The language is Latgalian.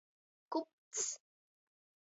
Kupcs.